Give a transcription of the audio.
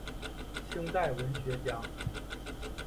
清代文学家。